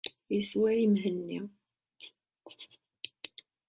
Issewway Mhenni.